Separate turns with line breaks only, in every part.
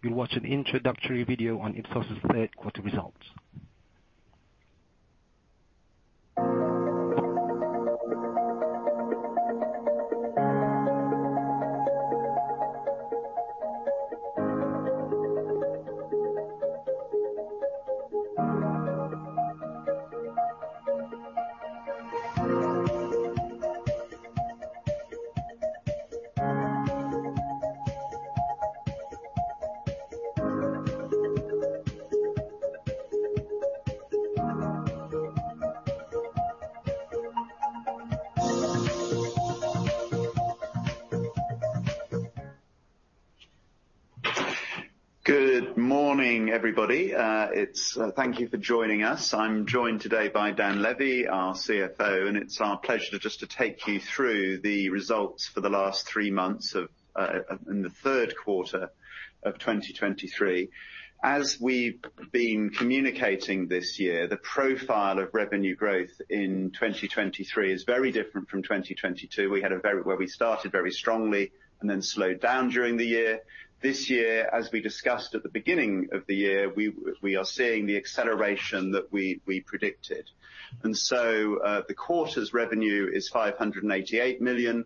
You'll watch an introductory video on Ipsos' third quarter results.
Good morning, everybody. Thank you for joining us. I'm joined today by Dan Lévy, our CFO, and it's our pleasure just to take you through the results for the last three months of, in the third quarter of 2023. As we've been communicating this year, the profile of revenue growth in 2023 is very different from 2022. We had where we started very strongly and then slowed down during the year. This year, as we discussed at the beginning of the year, we are seeing the acceleration that we predicted. And so, the quarter's revenue is 588 million,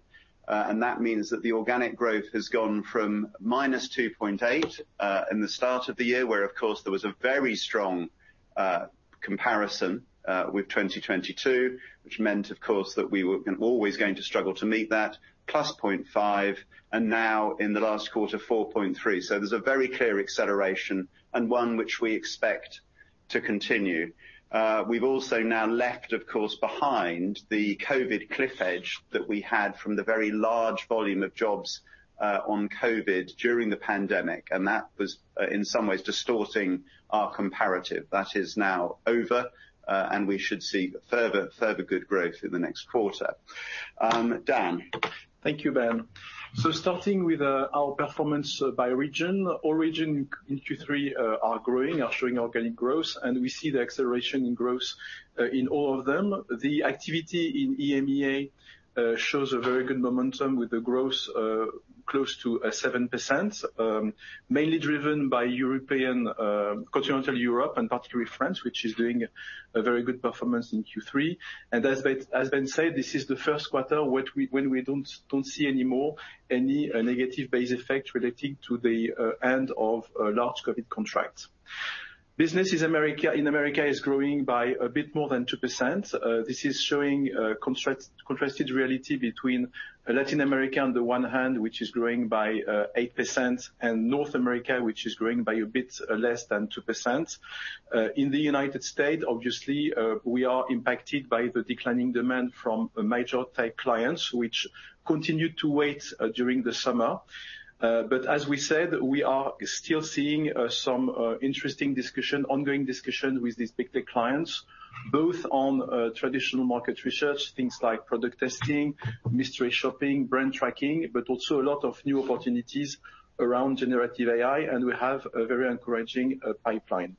and that means that the organic growth has gone from -2.8% in the start of the year, where, of course, there was a very strong comparison with 2022, which meant, of course, that we were always going to struggle to meet that +0.5%, and now in the last quarter, 4.3%. So there's a very clear acceleration and one which we expect to continue. We've also now left, of course, behind the COVID cliff edge that we had from the very large volume of jobs on COVID during the pandemic, and that was, in some ways, distorting our comparative. That is now over, and we should see further good growth in the next quarter. Dan?
Thank you, Ben. Starting with our performance by region. All regions in Q3 are growing, are showing organic growth, and we see the acceleration in growth in all of them. The activity in EMEA shows a very good momentum with the growth close to 7%, mainly driven by European continental Europe and particularly France, which is doing a very good performance in Q3. And as Ben said, this is the first quarter when we don't see any more any negative base effect relating to the end of a large COVID contract. Business in America is growing by a bit more than 2%. This is showing contrast, contrasted reality between Latin America on the one hand, which is growing by 8%, and North America, which is growing by a bit less than 2%. In the United States, obviously, we are impacted by the declining demand from major tech clients, which continued to wait during the summer. But as we said, we are still seeing some interesting discussion, ongoing discussion with these big tech clients, both on traditional market research, things like product testing, mystery shopping, brand tracking, but also a lot of new opportunities around generative AI, and we have a very encouraging pipeline.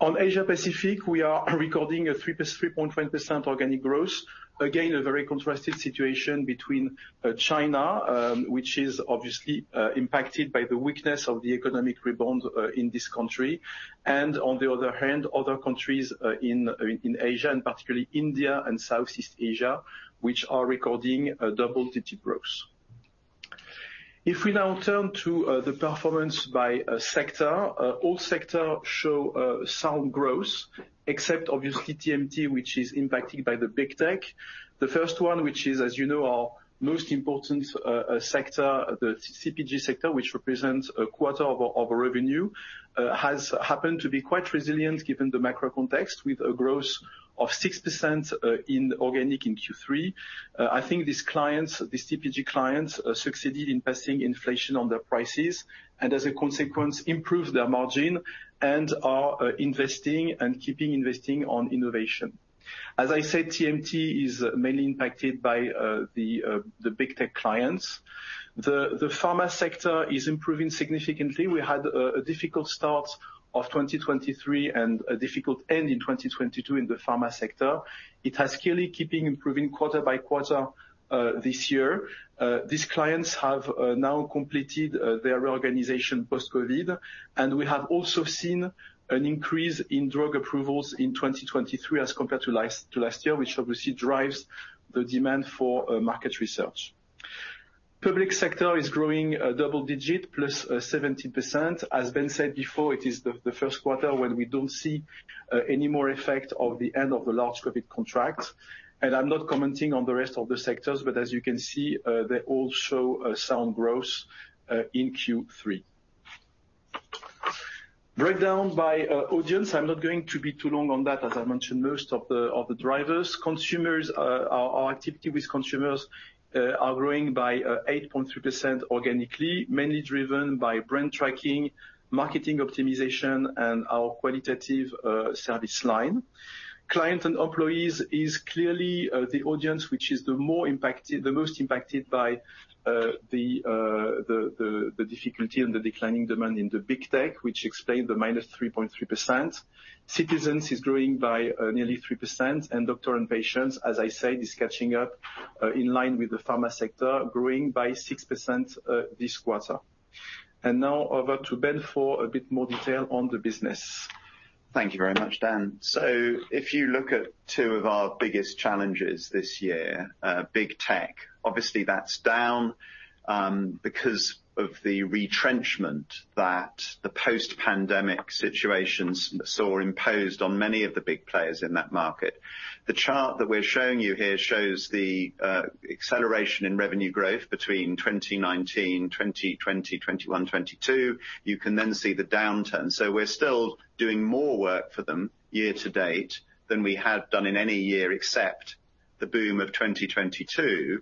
On Asia-Pacific, we are recording a 3.2% organic growth. Again, a very contrasted situation between, China, which is obviously, impacted by the weakness of the economic rebound, in this country, and on the other hand, other countries, in Asia, and particularly India and Southeast Asia, which are recording a double-digit growth. If we now turn to, the performance by sector, all sector show sound growth, except obviously TMT, which is impacted by the big tech. The first one, which is, as you know, our most important sector, the CPG sector, which represents a quarter of our revenue, has happened to be quite resilient given the macro context, with a growth of 6% in organic in Q3. I think these clients, these CPG clients, succeeded in passing inflation on their prices, and as a consequence, improved their margin and are, investing and keeping investing on innovation. As I said, TMT is mainly impacted by the big tech clients. The, the pharma sector is improving significantly. We had, a difficult start of 2023 and a difficult end in 2022 in the pharma sector. It has clearly keeping improving quarter by quarter, this year. These clients have, now completed, their reorganization post-COVID, and we have also seen an increase in drug approvals in 2023 as compared to last, to last year, which obviously drives the demand for market research. Public sector is growing, double-digit, plus, 17%. As Ben said before, it is the first quarter when we don't see any more effect of the end of the large COVID contract, and I'm not commenting on the rest of the sectors, but as you can see, they all show a sound growth in Q3. Breakdown by audience, I'm not going to be too long on that. As I mentioned, most of the drivers, consumers, our activity with consumers, are growing by 8.3% organically, mainly driven by brand tracking, marketing optimization, and our qualitative service line. Client and employees is clearly the audience, which is the most impacted by the difficulty and the declining demand in the big tech, which explained the -3.3%. Citizens is growing by nearly 3%, and doctor and patients, as I said, is catching up in line with the pharma sector, growing by 6% this quarter. And now over to Ben for a bit more detail on the business.
Thank you very much, Dan. So if you look at two of our biggest challenges this year, big tech, obviously, that's down, because of the retrenchment that the post-pandemic situations saw imposed on many of the big players in that market. The chart that we're showing you here shows the acceleration in revenue growth between 2019, 2020, 2021, 2022. You can then see the downturn. So we're still doing more work for them year to date than we had done in any year, except the boom of 2022.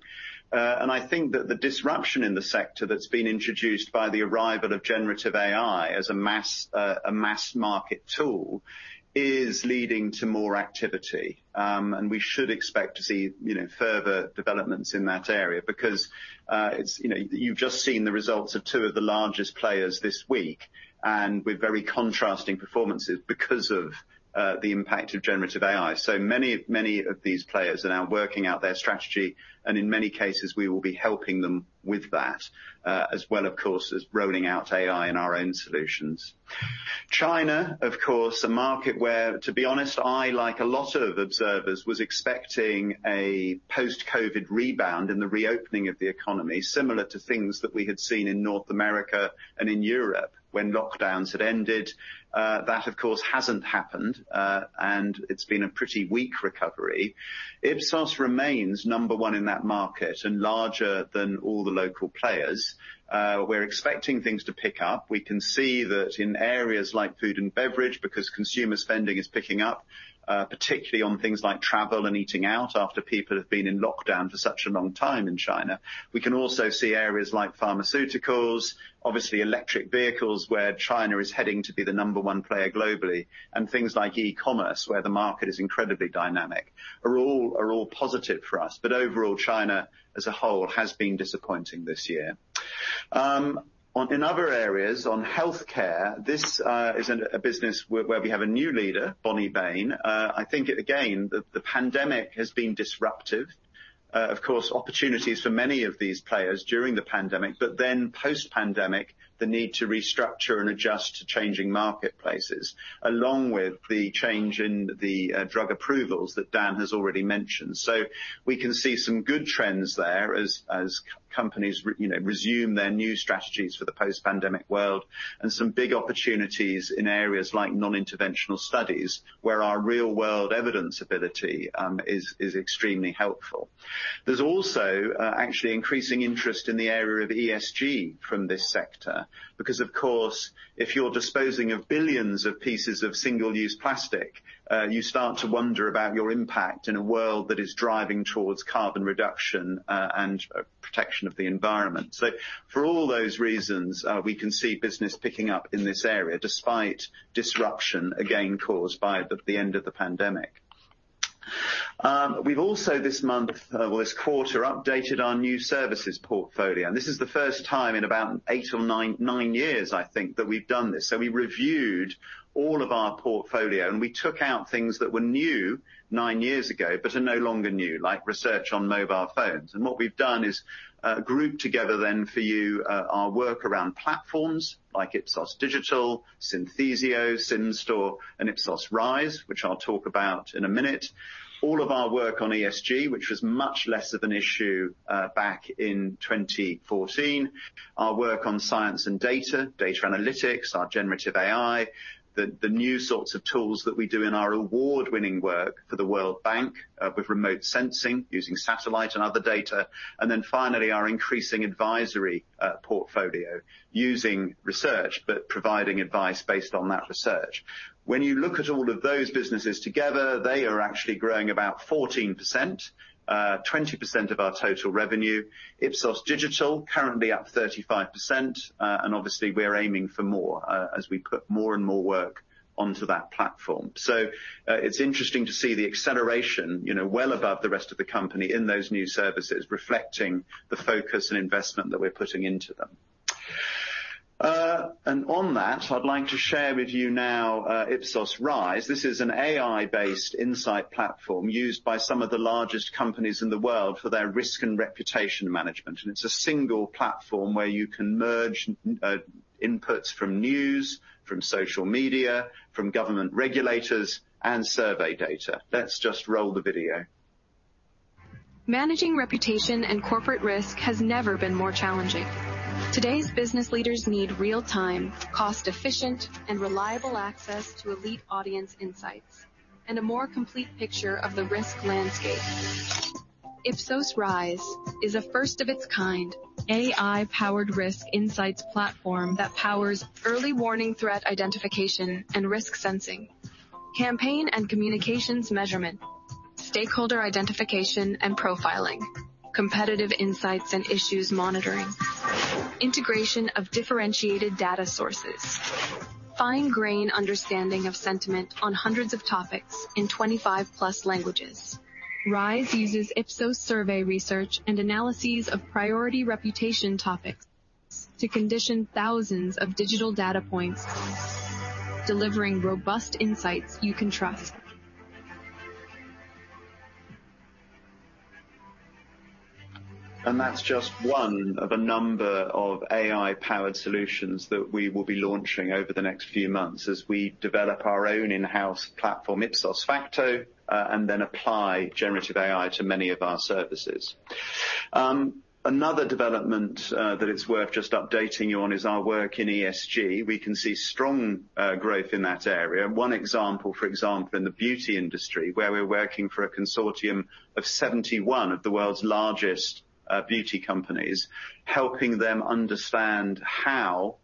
And I think that the disruption in the sector that's been introduced by the arrival of generative AI as a mass, a mass market tool, is leading to more activity. And we should expect to see, you know, further developments in that area because, it's, you know, you've just seen the results of two of the largest players this week, and with very contrasting performances because of, the impact of generative AI. So many, many of these players are now working out their strategy, and in many cases, we will be helping them with that, as well, of course, as rolling out AI in our own solutions. China, of course, a market where, to be honest, I, like a lot of observers, was expecting a post-COVID rebound in the reopening of the economy, similar to things that we had seen in North America and in Europe when lockdowns had ended. That, of course, hasn't happened, and it's been a pretty weak recovery. Ipsos remains number one in that market and larger than all the local players. We're expecting things to pick up. We can see that in areas like food and beverage, because consumer spending is picking up, particularly on things like travel and eating out after people have been in lockdown for such a long time in China. We can also see areas like pharmaceuticals, obviously electric vehicles, where China is heading to be the number one player globally, and things like e-commerce, where the market is incredibly dynamic, are all positive for us. But overall, China as a whole has been disappointing this year. In other areas, on healthcare, this is a business where we have a new leader, Bonnie Bain. I think again, the pandemic has been disruptive. Of course, opportunities for many of these players during the pandemic, but then post-pandemic, the need to restructure and adjust to changing marketplaces, along with the change in the drug approvals that Dan has already mentioned. So we can see some good trends there as companies you know resume their new strategies for the post-pandemic world, and some big opportunities in areas like non-interventional studies, where our real-world evidence ability is extremely helpful. There's also actually increasing interest in the area of ESG from this sector, because, of course, if you're disposing of billions of pieces of single-use plastic, you start to wonder about your impact in a world that is driving towards carbon reduction, and protection of the environment. So for all those reasons, we can see business picking up in this area, despite disruption, again, caused by the end of the pandemic. We've also this month, well, this quarter, updated our new services portfolio, and this is the first time in about eight or nine years, I think, that we've done this. So we reviewed all of our portfolio, and we took out things that were new nine years ago but are no longer new, like research on mobile phones. And what we've done is, grouped together then for you, our work around platforms like Ipsos Digital, Synthesio, Simstore, and Ipsos RISE, which I'll talk about in a minute. All of our work on ESG, which was much less of an issue, back in 2014. Our work on science and data, data analytics, our generative AI, the new sorts of tools that we do in our award-winning work for the World Bank, with remote sensing using satellite and other data, and then finally, our increasing advisory portfolio using research, but providing advice based on that research. When you look at all of those businesses together, they are actually growing about 14%, 20% of our total revenue. Ipsos Digital, currently up 35%, and obviously, we're aiming for more, as we put more and more work onto that platform. So, it's interesting to see the acceleration, you know, well above the rest of the company in those new services, reflecting the focus and investment that we're putting into them. And on that, I'd like to share with you now, Ipsos RISE. This is an AI-based insight platform used by some of the largest companies in the world for their risk and reputation management. It's a single platform where you can merge inputs from news, from social media, from government regulators, and survey data. Let's just roll the video.
Managing reputation and corporate risk has never been more challenging. Today's business leaders need real-time, cost-efficient, and reliable access to elite audience insights, and a more complete picture of the risk landscape. Ipsos RISE is a first-of-its-kind, AI-powered risk insights platform that powers early warning, threat identification, and risk sensing, campaign and communications measurement, stakeholder identification and profiling, competitive insights and issues monitoring, integration of differentiated data sources, fine-grained understanding of sentiment on hundreds of topics in 25+ languages. RISE uses Ipsos survey research and analyses of priority reputation topics to condition thousands of digital data points, delivering robust insights you can trust.
That's just one of a number of AI-powered solutions that we will be launching over the next few months as we develop our own in-house platform, Ipsos Facto, and then apply generative AI to many of our services. Another development that it's worth just updating you on is our work in ESG. We can see strong growth in that area. One example, for example, in the beauty industry, where we're working for a consortium of 71 of the world's largest beauty companies, helping them understand how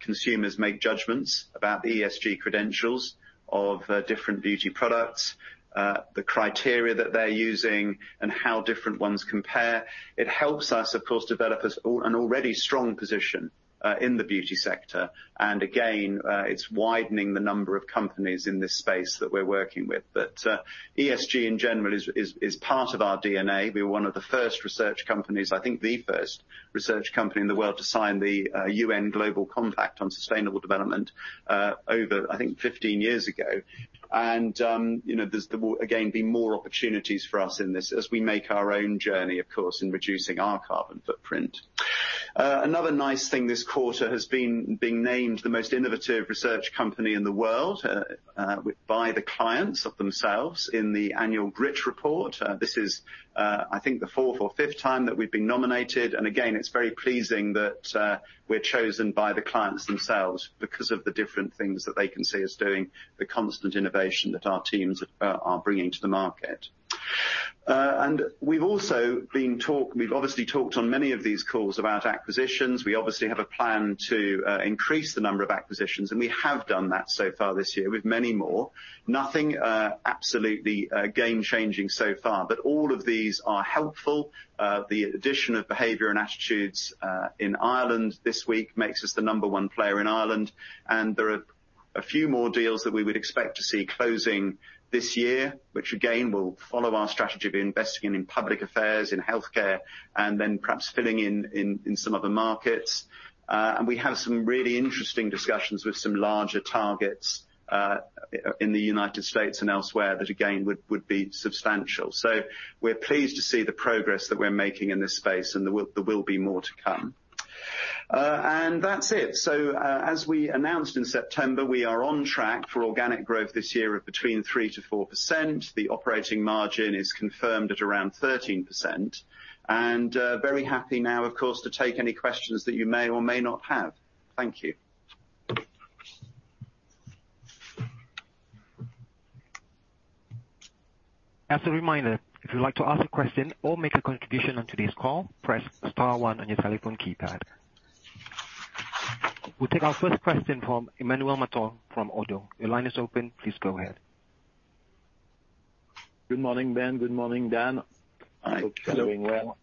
consumers make judgments about the ESG credentials of different beauty products, the criteria that they're using, and how different ones compare. It helps us, of course, develop us, an already strong position in the beauty sector, and again, it's widening the number of companies in this space that we're working with. But ESG, in general, is part of our DNA. We were one of the first research companies, I think, the first research company in the world to sign the UN Global Compact on Sustainable Development over, I think, 15 years ago. And you know, there will, again, be more opportunities for us in this as we make our own journey, of course, in reducing our carbon footprint. Another nice thing this quarter has been being named the Most Innovative Research Company in the world by the clients themselves in the annual GRIT report. This is, I think, the fourth or fifth time that we've been nominated, and again, it's very pleasing that we're chosen by the clients themselves because of the different things that they can see us doing, the constant innovation that our teams are bringing to the market. We've obviously talked on many of these calls about acquisitions. We obviously have a plan to increase the number of acquisitions, and we have done that so far this year with many more. Nothing absolutely game-changing so far, but all of these are helpful. The addition of Behaviour & Attitudes in Ireland this week makes us the number one player in Ireland, and there are a few more deals that we would expect to see closing this year, which again, will follow our strategy of investing in public affairs, in healthcare, and then perhaps filling in some other markets. And we have some really interesting discussions with some larger targets in the United States and elsewhere, that again, would be substantial. So we're pleased to see the progress that we're making in this space, and there will be more to come. And that's it. So, as we announced in September, we are on track for organic growth this year of between 3%-4%. The operating margin is confirmed at around 13%, and very happy now, of course, to take any questions that you may or may not have. Thank you.
As a reminder, if you'd like to ask a question or make a contribution on today's call, press star one on your telephone keypad. We'll take our first question from Emmanuel Matot, from ODDO. Your line is open. Please go ahead.
Good morning, Ben. Good morning, Dan.
Hi.
Hello.
Hope you're doing well.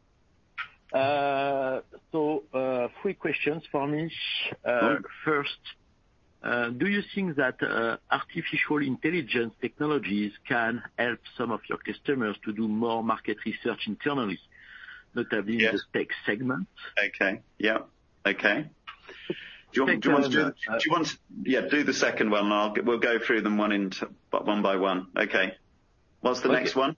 So, three questions for me.
Sure.
First, do you think that artificial intelligence technologies can help some of your customers to do more market research internally, notably in the spec segment?
Okay. Yeah. Okay.
Thank you very much.
I'll do the second one, and we'll go through them one-to-one by one. Okay. What's the next one?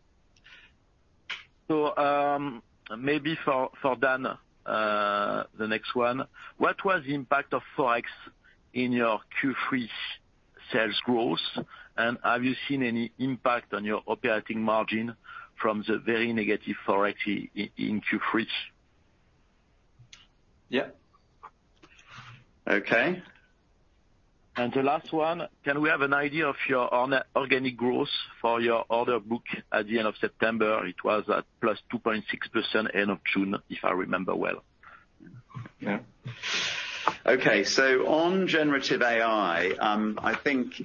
Maybe for Dan, the next one, what was the impact of forex in your Q3 sales growth? And have you seen any impact on your operating margin from the very negative forex in Q3?
Yeah. Okay.
The last one, can we have an idea of your organic growth for your order book at the end of September? It was at +2.6% end of June, if I remember well.
Yeah. Okay, so on generative AI,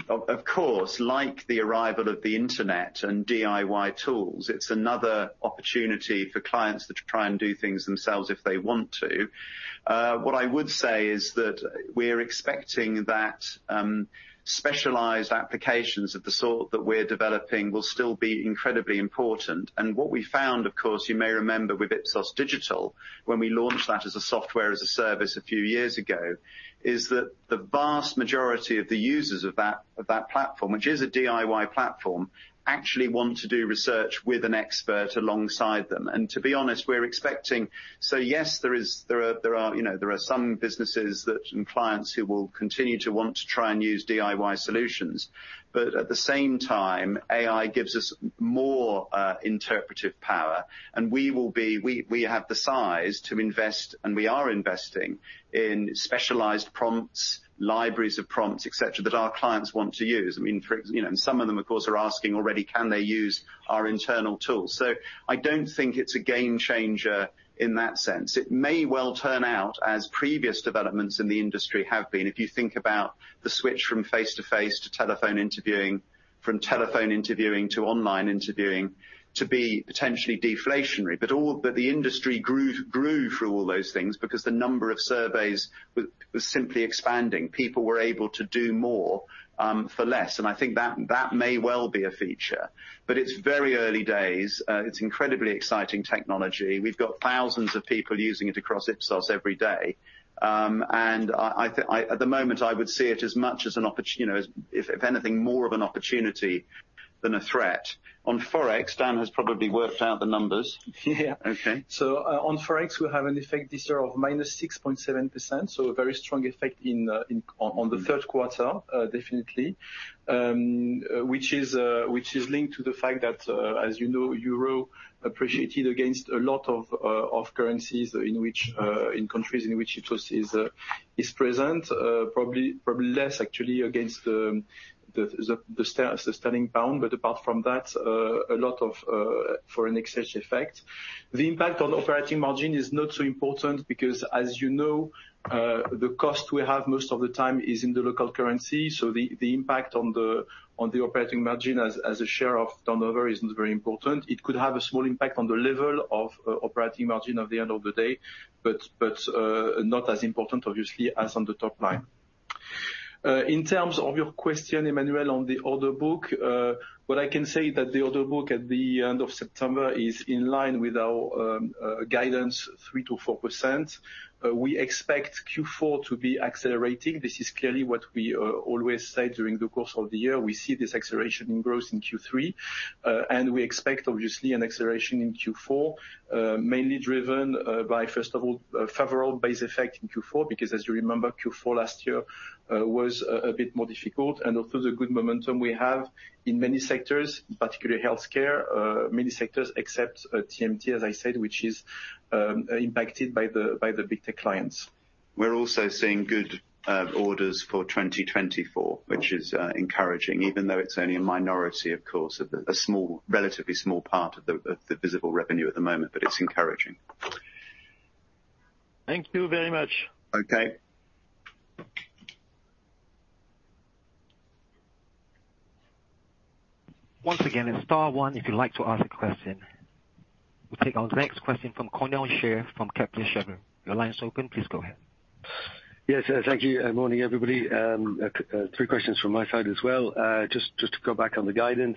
of course, like the arrival of the internet and DIY tools, it's another opportunity for clients to try and do things themselves if they want to. What I would say is that we're expecting that, specialized applications of the sort that we're developing will still be incredibly important. And what we found, of course, you may remember with Ipsos Digital, when we launched that as a Software as a Service a few years ago, is that the vast majority of the users of that platform, which is a DIY platform, actually want to do research with an expert alongside them. And to be honest, we're expecting. So yes, there are, you know, there are some businesses and clients who will continue to want to try and use DIY solutions, but at the same time, AI gives us more interpretive power, and we have the size to invest, and we are investing in specialized prompts, libraries of prompts, et cetera, that our clients want to use. I mean, for example, you know, and some of them, of course, are asking already, can they use our internal tools? So I don't think it's a game changer in that sense. It may well turn out, as previous developments in the industry have been, if you think about the switch from face-to-face to telephone interviewing, from telephone interviewing to online interviewing, to be potentially deflationary. But the industry grew through all those things because the number of surveys was simply expanding. People were able to do more for less, and I think that may well be a feature. But it's very early days. It's incredibly exciting technology. We've got thousands of people using it across Ipsos every day, and I think at the moment I would see it as much as an opportunity. You know, as if anything, more of an opportunity than a threat. On forex, Dan has probably worked out the numbers.
Yeah.
Okay.
So, on forex, we have an effect this year of -6.7%, so a very strong effect on the third quarter, definitely, which is linked to the fact that, as you know, euro appreciated against a lot of currencies in countries in which Ipsos is present. Probably, probably less actually against the sterling pound, but apart from that, a lot of foreign exchange effect. The impact on operating margin is not so important because, as you know, the cost we have most of the time is in the local currency. So the, the impact on the operating margin as a share of turnover isn't very important. It could have a small impact on the level of operating margin at the end of the day, but not as important, obviously, as on the top line. In terms of your question, Emmanuel, on the order book, what I can say that the order book at the end of September is in line with our guidance, 3%-4%. We expect Q4 to be accelerating. This is clearly what we always say during the course of the year. We see this acceleration in growth in Q3, and we expect, obviously, an acceleration in Q4, mainly driven by, first of all, a favorable base effect in Q4, because as you remember, Q4 last year was a bit more difficult, and also the good momentum we have in many sectors, particularly healthcare, many sectors except TMT, as I said, which is impacted by the big tech clients.
We're also seeing good orders for 2024, which is encouraging, even though it's only a minority, of course, a relatively small part of the visible revenue at the moment, but it's encouraging.
Thank you very much.
Okay.
Once again, it's star one if you'd like to ask a question. We'll take our next question from Conor O'Shea from Kepler Cheuvreux. Your line is open, please go ahead.
Yes, thank you, and morning, everybody. Three questions from my side as well. Just to go back on the guidance,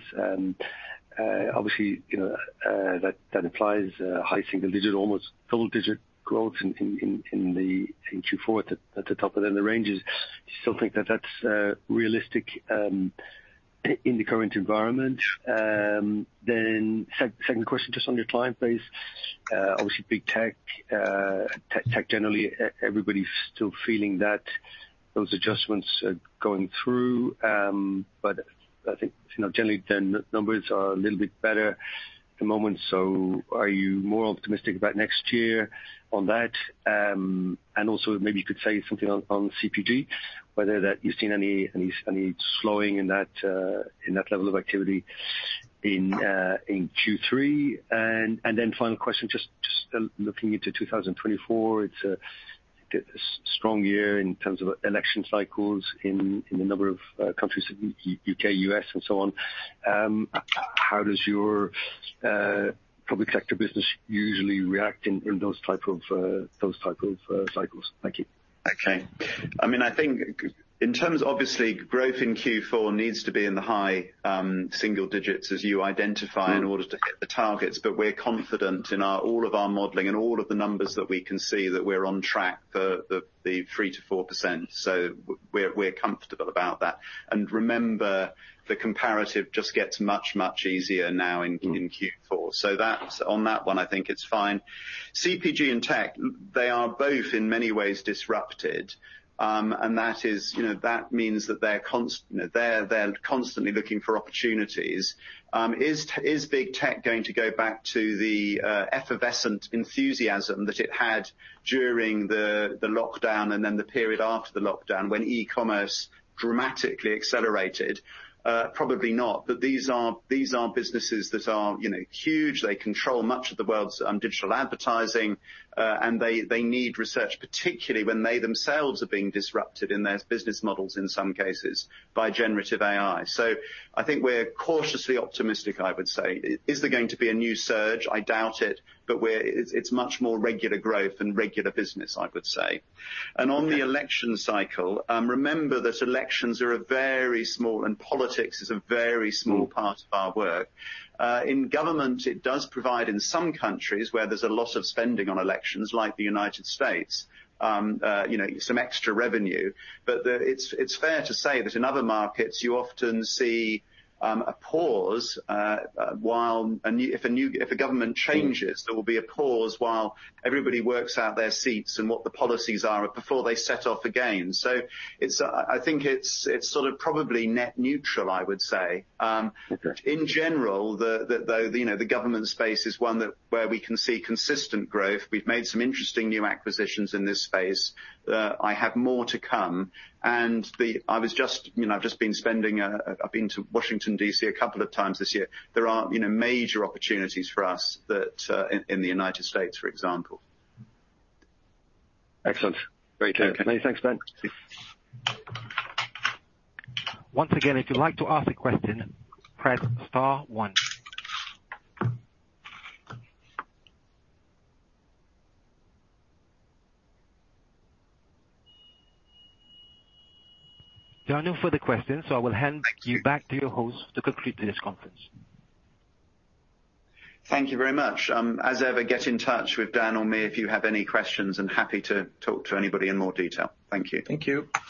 obviously, you know, that applies high single digit, almost double digit growth in Q4 at the top end of the ranges. Do you still think that that's realistic in the current environment? Then second question, just on your client base. Obviously, big tech, tech generally, everybody's still feeling that those adjustments are going through, but I think, you know, generally, the numbers are a little bit better at the moment, so are you more optimistic about next year on that? And also, maybe you could say something on CPG, whether that you've seen any slowing in that level of activity in Q3. And then final question, just looking into 2024, it's a strong year in terms of election cycles in a number of countries, U.K., U.S., and so on. How does your public sector business usually react in those type of cycles? Thank you.
Okay. I mean, I think in terms, obviously, growth in Q4 needs to be in the high single digits, as you identify, in order to hit the targets. But we're confident in our, all of our modeling and all of the numbers that we can see that we're on track for the 3%-4%, so we're comfortable about that. And remember, the comparative just gets much, much easier now in Q4. So that's, on that one, I think it's fine. CPG and tech, they are both in many ways, disrupted. And, you know, that means that they're constantly looking for opportunities. Is big tech going to go back to the effervescent enthusiasm that it had during the lockdown and then the period after the lockdown, when e-commerce dramatically accelerated? Probably not. But these are businesses that are, you know, huge. They control much of the world's digital advertising, and they need research, particularly when they themselves are being disrupted in their business models, in some cases, by generative AI. So I think we're cautiously optimistic, I would say. Is there going to be a new surge? I doubt it, but it's much more regular growth and regular business, I would say. On the election cycle, remember that elections are a very small, and politics is a very small part of our work. In government, it does provide, in some countries, where there's a lot of spending on elections, like the United States, you know, some extra revenue. But it's fair to say that in other markets, you often see a pause while a new government changes, there will be a pause while everybody works out their seats and what the policies are before they set off again. So, I think it's sort of probably net neutral, I would say. In general, you know, the government space is one that where we can see consistent growth. We've made some interesting new acquisitions in this space. I have more to come, and I was just, you know, I've just been spending, I've been to Washington, D.C. a couple of times this year. There are, you know, major opportunities for us in the United States, for example.
Excellent.
Okay.
Great. Many thanks, Ben.
Once again, if you'd like to ask a question, press star one. There are no further questions, so I will hand you back to your host to conclude today's conference.
Thank you very much. As ever, get in touch with Dan or me if you have any questions, and happy to talk to anybody in more detail. Thank you.
Thank you.